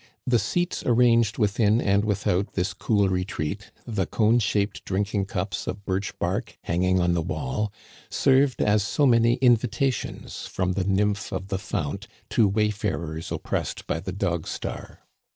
The seats arranged within and without this cool retreat, the cone shaped drinking cups of birch bark hanging on the wall, seived as so many invitations from the nymph of the fount to wayfarers oppressed by the dog star.